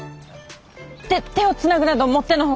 手手をつなぐなどもっての外。